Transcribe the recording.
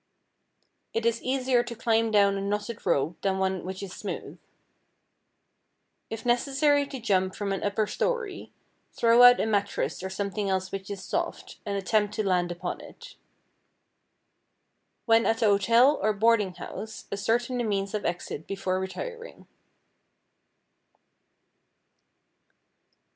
It is easier to climb down a knotted rope than one which is smooth. If necessary to jump from an upper story, throw out a mattress or something else which is soft, and attempt to land upon it. When at a hotel or boarding house, ascertain the means of exit before retiring.